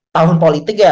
tahun politik ya